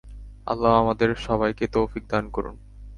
আল্লাহ আমাদের সবাইকে তাওফীক দান করুন।